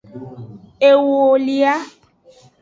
Ewolia.